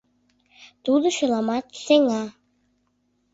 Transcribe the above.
Тудо чыламат сеҥа.